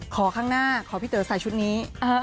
ข้างหน้าขอพี่เต๋อใส่ชุดนี้